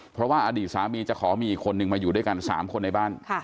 เพราะว่าอดีตสามีจะขอมีอีกคนนึงมาอยู่ด้วยกัน๓คนในบ้าน